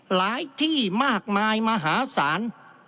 หลายที่มากมายมหาศาล